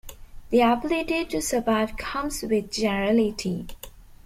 The ability to survive comes with generality.